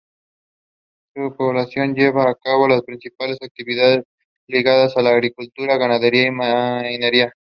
Su población llevaba a cabo principalmente actividades ligadas a la agricultura, ganadería y minería.